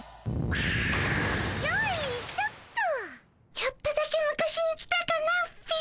ちょっとだけ昔に来たかなっピィ。